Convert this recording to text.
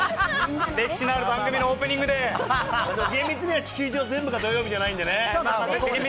歴史のある番組のオープニングで厳密には地球上全部が土曜日じゃないんでね。